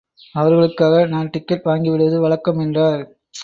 அவர்களுக்காக நான் டிக்கட் வாங்கிவிடுவது வழக்கம் என்றார்.